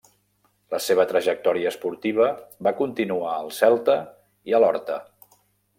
La seva trajectòria esportiva va continuar al Celta i a l'Horta.